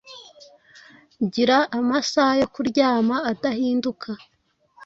Gira amasaha yo kuryama adahinduka.